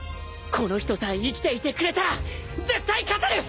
この人さえ生きていてくれたら絶対勝てる！